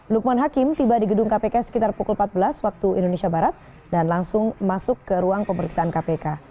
lukman hakim tiba di gedung kpk sekitar pukul empat belas waktu indonesia barat dan langsung masuk ke ruang pemeriksaan kpk